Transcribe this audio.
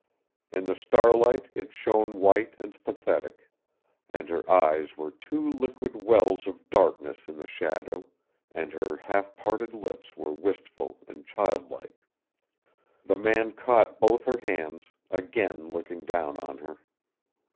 In the starlight it shone white and pathetic. And her eyes were two liquid wells of darkness in the shadow, and her half parted lips were wistful and childlike. The man caught both her hands, again looking down on her.